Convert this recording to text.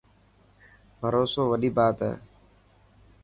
ڀروسو وڏي بات هي.